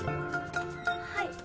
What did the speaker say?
はい。